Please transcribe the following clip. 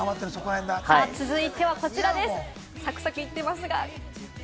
続いてはこちらです。